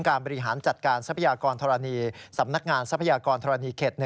บริหารจัดการทรัพยากรธรณีสำนักงานทรัพยากรธรณีเขต๑